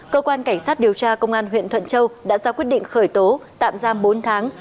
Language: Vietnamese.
cơ quan cảnh sát điều tra công an huyện thuận châu đã ra quyết định khởi tố tạm giam bốn tháng